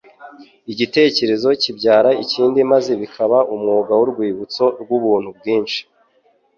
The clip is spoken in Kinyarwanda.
igitekerezo kibyara ikindi maze bikaba umwuga w'urwibutso rw'ubuntu bwinshi